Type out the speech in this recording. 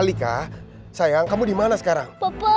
alika sayang kamu dimana sekarang